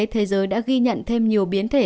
thế giới đã ghi nhận thêm nhiều biến thể